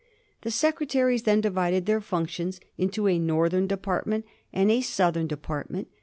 The secretaries then divided their functions into a Northern department and a Southern department.